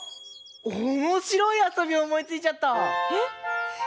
おもしろいあそびおもいついちゃった！え？